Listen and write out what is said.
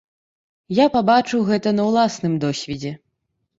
Я пабачыў гэта на ўласным досведзе.